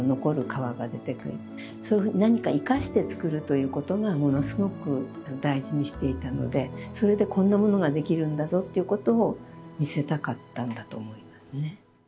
そういうふうに何か生かして作るということがものすごく大事にしていたのでそれでこんなものができるんだぞっていうことを見せたかったんだと思いますね。